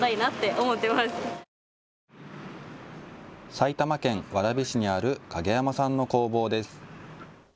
埼玉県蕨市にある影山さんの工房です。